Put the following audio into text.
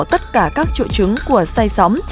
tất cả các trụ trứng của say sóng